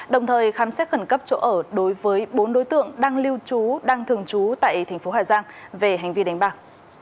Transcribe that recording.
đồng thời khám xét khẩn cấp chỗ ở đối với bốn đối tượng đang lưu trú đang thường trú tại thành phố hà giang về hành vi đánh bạc